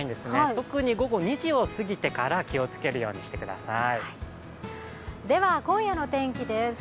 特に午後２時をすぎてから気をつけるようにしてください。